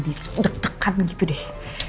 didek dekan gitu deh